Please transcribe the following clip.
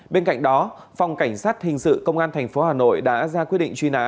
bên cạnh đó phòng cảnh sát hình sự công an tp hà nội đã ra quyết định truy nã